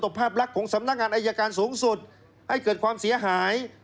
ภาพลักษณ์ของสำนักงานอายการสูงสุดให้เกิดความเสียหาย